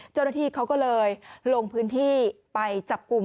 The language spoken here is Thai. เจ้าหน้าที่เขาก็เลยลงพื้นที่ไปจับกลุ่ม